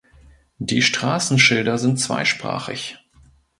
Die Straßenschilder sind zweisprachig.